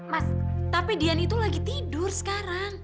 mas tapi dian itu lagi tidur sekarang